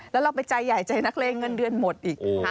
แล้วเราไปใจใหญ่ใจนักเลงเงินเดือนหมดอีก